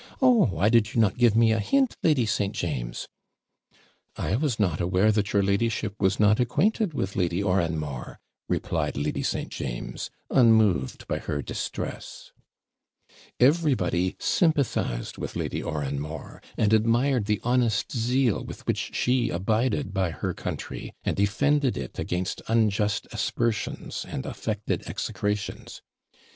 Oh! why did not you give me a hint, Lady St. James?' 'I was not aware that your ladyship was not acquainted with Lady Oranmore,' replied Lady St. James, unmoved by her distress. Everybody sympathised with Lady Oranmore, and admired the honest zeal with which she abided by her country, and defended it against unjust aspersions and affected execrations.